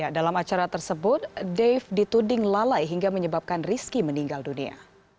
dalam acara tersebut dave dituding lalai hingga menyebabkan rizky meninggal dunia